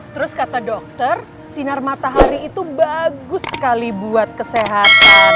terus kata dokter sinar matahari itu bagus sekali buat kesehatan